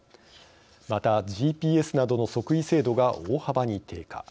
またＧＰＳなどの測位精度が大幅に低下。